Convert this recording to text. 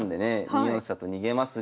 ２四飛車と逃げますが。